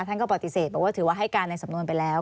ท่านก็ปฏิเสธบอกว่าถือว่าให้การในสำนวนไปแล้ว